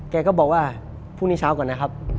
แกก็บอกว่าพรุ่งนี้เช้าก่อนนะครับ